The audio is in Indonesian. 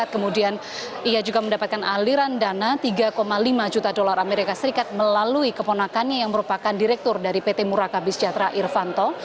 kemudian ia juga mendapatkan aliran dana tiga lima juta dolar amerika serikat melalui keponakannya yang merupakan direktur dari pt murakabi sejahtera irvanto